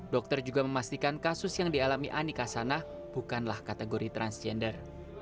dokter juga memastikan kasus yang dialami anika sanah bukanlah kategori transgender